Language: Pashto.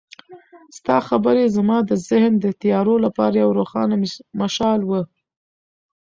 ستا خبرې زما د ذهن د تیارو لپاره یو روښانه مشال و.